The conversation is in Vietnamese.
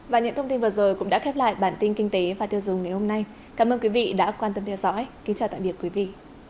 và những thông tin vừa rồi cũng đã khép lại bản tin kinh tế và tiêu dùng ngày hôm nay cảm ơn quý vị đã quan tâm theo dõi kính chào tạm biệt quý vị